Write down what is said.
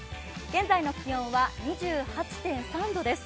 現在の気温は２８．３度です。